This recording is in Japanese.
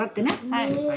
はい。